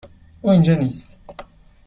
او اینجا نیست.